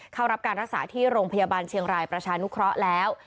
เข้ารับการรักษาที่โรงพยาบาลเชียงรายประชานุเคราะห์แล้ว